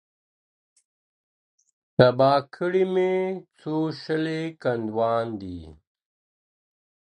تباه كړي مي څو شلي كندوگان دي.